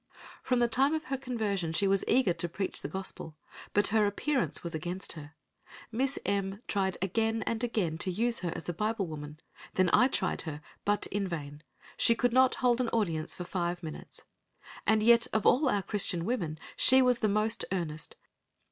From the time of her conversion she was eager to preach the Gospel, but her appearance was against her. Miss M—— tried again and again to use her as a Bible woman. Then I tried her, but in vain. She could not hold an audience for five minutes. And yet of all our Christian women she was the most earnest.